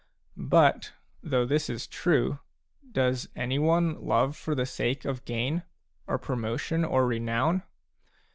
But, though this is true, does anyone love for the sake of gain, or promotion, or renown